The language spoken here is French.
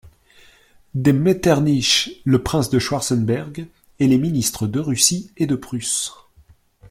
de Metternich, le prince de Schwartzenberg, et les ministres de Russie et de Prusse.